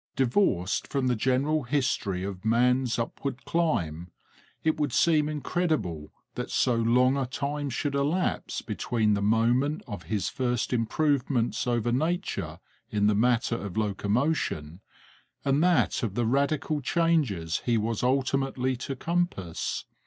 Divorced from the general history of man's upward climb, it would seem incredible that so long a time should elapse between the moment of his first improvements over nature in the matter of locomotion and that of the radical changes he was ultimately to compass.